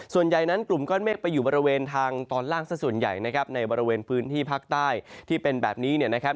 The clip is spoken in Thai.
ส่วนใหญ่นั้นกลุ่มก้อนเมฆไปอยู่บริเวณทางตอนล่างสักส่วนใหญ่นะครับในบริเวณพื้นที่ภาคใต้ที่เป็นแบบนี้เนี่ยนะครับ